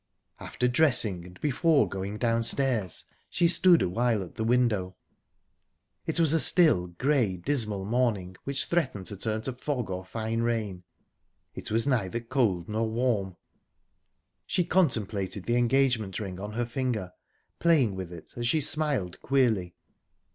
After dressing, and before going downstairs, she stood awhile at the window. It was a still, grey, dismal morning, which threatened to turn to fog or fine rain. It was neither cold nor warm. She contemplated the engagement ring on her finger, playing with it, as she smiled queerly.